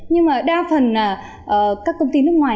nhưng đa phần các công ty nước ngoài